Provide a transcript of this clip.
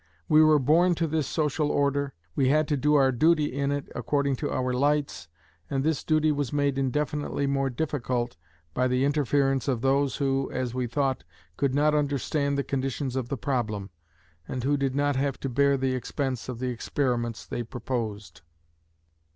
We were born to this social order, we had to do our duty in it according to our lights, and this duty was made indefinitely more difficult by the interference of those who, as we thought, could not understand the conditions of the problem, and who did not have to bear the expense of the experiments they proposed.